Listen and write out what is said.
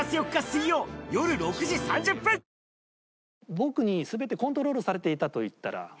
僕に全てコントロールされていたと言ったら。